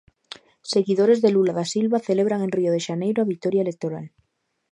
Seguidores de Lula da Silva celebran en Rio de Xaneiro a vitoria electoral.